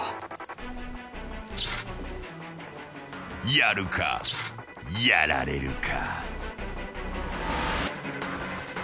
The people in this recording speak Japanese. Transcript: やるか、やられるか。